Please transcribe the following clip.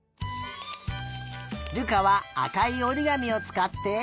瑠珂はあかいおりがみをつかって。